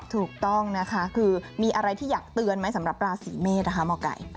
ถูกต้องนะคะคือมีอะไรที่อยากเตือนไหมสำหรับราศีเมษนะคะหมอไก่